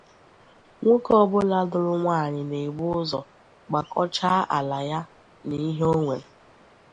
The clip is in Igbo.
nwoke ọbụla lụrụ nwaanyị na-ebu ụzọ gbàkọcháá ala ya na ihe o nwere